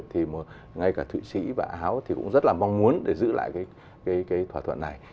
thì ngay cả thụy sĩ và áo thì cũng rất là mong muốn để giữ lại cái thỏa thuận này